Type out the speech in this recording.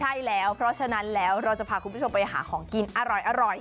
ใช่แล้วเพราะฉะนั้นแล้วเราจะพาคุณผู้ชมไปหาของกินอร่อย